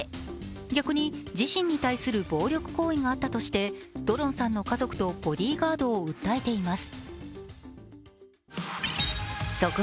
逆に自身に対する暴力行為があったとしてドロンさんの家族とボディーガードを訴えています。